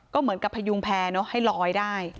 ก็เหมือนกับพยุงแพร่เนอะให้ลอยได้